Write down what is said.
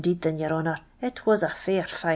d thin, yo;;: h 'nour, it wa* a fair ti.